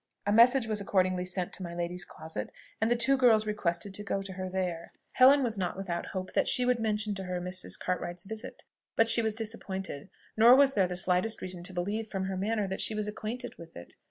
A message was accordingly sent to my lady's closet, and the two girls requested to go to her there. Helen was not without hope that she would mention to her Mrs. Cartwright's visit; but she was disappointed: nor was there the slightest reason to believe from her manner that she was acquainted with it.